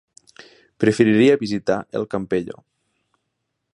Preferiria visitar el Campello.